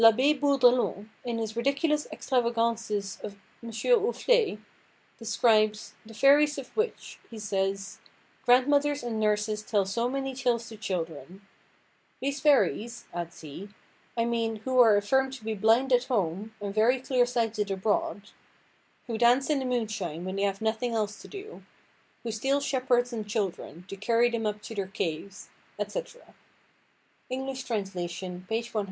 L'Abbé Bourdelon, in his Ridiculous Extravagances of M. Ouflé, describes "The fairies of which," he says, "grandmothers and nurses tell so many tales to children. These fairies," adds he, "I mean, who are affirmed to be blind at home, and very clear–sighted abroad; who dance in the moonshine when they have nothing else to do; who steal shepherds and children, to carry them up to their caves," etc.—(English translation, p. 190.)